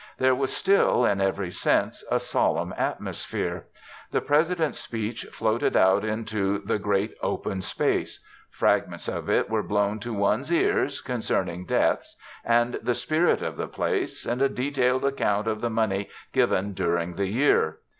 There was still, in every sense, a solemn atmosphere. The President's speech floated out into the great open space; fragments of it were blown to one's ears concerning deaths, and the spirit of the place, and a detailed account of the money given during the year.